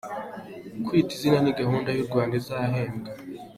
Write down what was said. Kwita Izina ni gahunda y’ u Rwanda izahembwa.